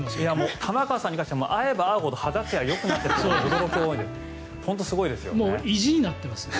玉川さんに関しては会えば会うほど肌ツヤがよくなっているので本当にすごいですよね。